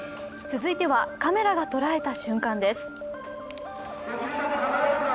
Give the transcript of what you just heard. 続いてはカメラが捉えた瞬間です。